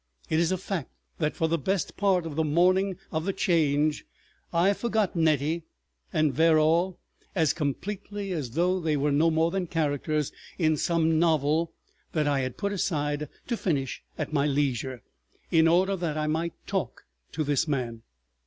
It is a fact that for the best part of the morning of the Change I forgot Nettie and Verrall as completely as though they were no more than characters in some novel that I had put aside to finish at my leisure, in order that I might talk to this man.